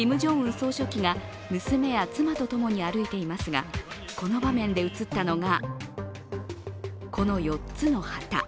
総書記が娘や妻と共に歩いていますが、この場面で映ったのが、この４つの旗。